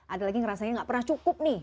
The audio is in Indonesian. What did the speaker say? ada lagi ngerasanya gak pernah cukup nih